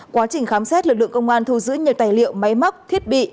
quá trình khám xét lực lượng công an thu giữ nhiều tài liệu máy móc thiết bị